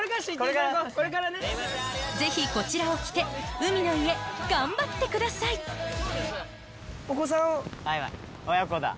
ぜひこちらを着て海の家頑張ってください親子だ。